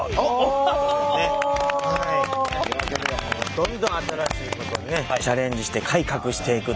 どんどん新しいことにねチャレンジして改革していくという。